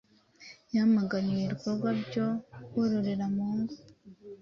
yamaganye ibikorwa byo kororera mu ngo